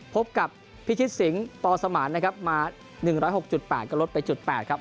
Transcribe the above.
พบกับพี่ชิดสิงตอสมานนะครับมา๑๐๖๘ก็ลดไป๐๘ครับ